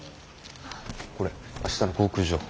これ明日の航空情報。